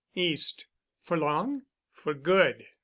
"East." "For long?" "For good.